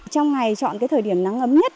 trong ngày chọn thời điểm nắng ấm nhất